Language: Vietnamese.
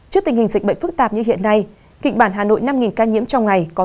trước tình hình dịch bệnh phức tạp như hiện nay kịch bản hà nội năm ca nhiễm trong ngày có